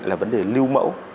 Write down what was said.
là vấn đề lưu mẫu